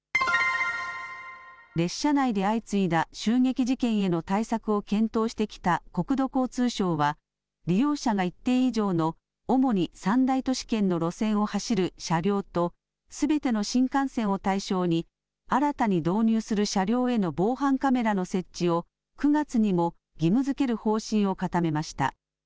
列車内で相次いだ襲撃事件への対策を検討してきた国土交通省は、利用者が一定以上の主に３大都市圏の路線を走る車両と、すべての新幹線を対象に、新たに導入する車両への防犯カメラの設置を、９月にも義務づける方針を固めました。